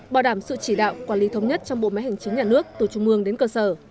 bảo đảm sự chỉ đạo quản lý thống nhất trong bộ máy hành chính nhà nước từ trung ương đến cơ sở